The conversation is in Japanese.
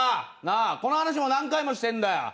この話も何回もしてんだよ。